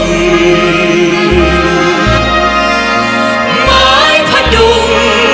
ไม่เร่รวนภาวะผวังคิดกังคัน